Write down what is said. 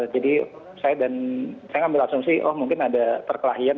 jadi saya ambil asumsi oh mungkin ada terkelahian